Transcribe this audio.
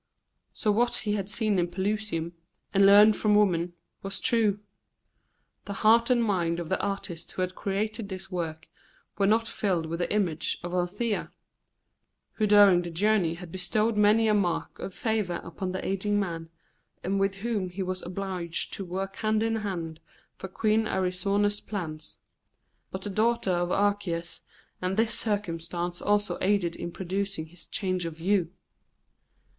So what he had seen in Pelusium, and learned from women, was true. The heart and mind of the artist who had created this work were not filled with the image of Althea who during the journey had bestowed many a mark of favour upon the aging man, and with whom he was obliged to work hand in hand for Queen Arsinoe's plans but the daughter of Archias, and this circumstance also aided in producing his change of view.